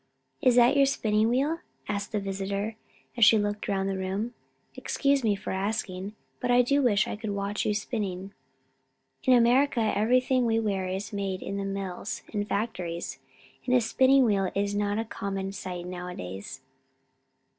"Is that your spinning wheel?" asked the visitor, as she looked around the room. "Excuse me for asking, but I do wish I could watch you spinning. In America everything we wear is made in the mills and factories, and a spinning wheel is not a common sight nowadays."